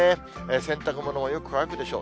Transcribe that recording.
洗濯物もよく乾くでしょう。